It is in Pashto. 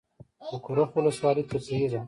د کرخ ولسوالۍ تفریحي ده